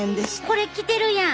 これ着てるやん！